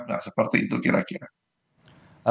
nah seperti itu kira kira